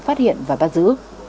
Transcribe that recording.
phát hiện và bắt giữ